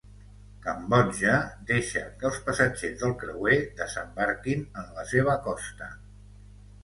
Cambodja deixa que els passatgers del creuer desembarquin en la seva costa